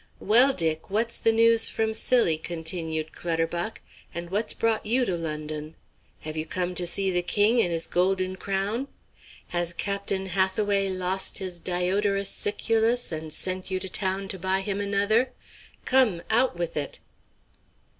"Well, Dick, what's the news from Scilly?" continued Clutterbuck. "And what's brought you to London? Have you come to see the king in his golden crown? Has Captain Hathaway lost his Diodorus Siculus and sent you to town to buy him another? Come, out with it!"